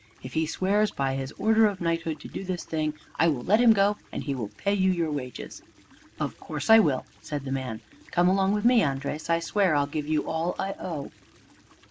If he swears by his order of knighthood to do this thing, I will let him go, and he will pay you your wages." "Of course I will," said the man. "Come along with me. Andres, and I swear I'll give you all I owe."